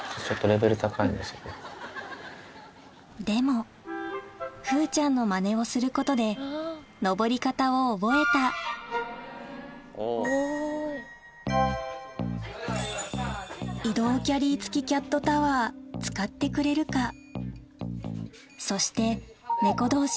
でも風ちゃんのマネをすることで上り方を覚えた移動キャリー付きキャットタワー使ってくれるか？